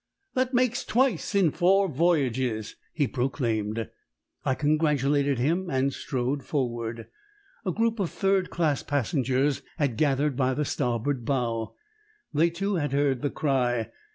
"That makes twice in four voyages," he proclaimed. I congratulated him and strode forward. A group of third class passengers had gathered by the starboard bow. They, too, had heard the cry.